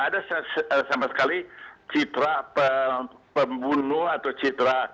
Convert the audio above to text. ada sama sekali citra pembunuh atau citra